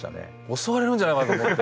襲われるんじゃないかと思って。